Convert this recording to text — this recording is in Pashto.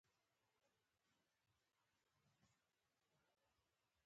دا کار خوک بشپړاً د ځای محدودوي.